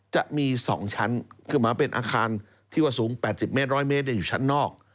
จะมี๒ชั้นคือหมายเป็นอาคารที่ว่าสูง๘๐เมตร๑๐๐เมตรอยู่ชั้นนอก